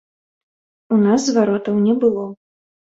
У нас зваротаў не было.